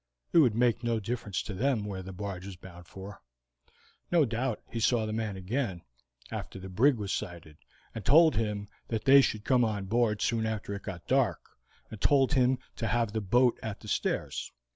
It would make no difference to them where the barge was bound for. No doubt he saw the man again after the brig was sighted, and told him that they should come on board soon after it got dark, and told him to have the boat at the stairs.